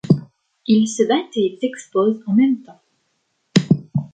Ils se battent et ils exposent en même temps.